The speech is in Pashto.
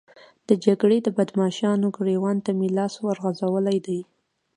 د جګړې د بدماشانو ګرېوان ته مې لاس ورغځولی دی.